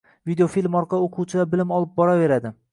videofilm orqali o‘quvchilar bilim olib boraveradi.